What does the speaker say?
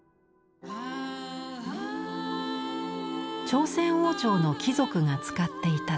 朝鮮王朝の貴族が使っていた壺。